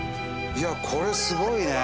いやこれすごいね。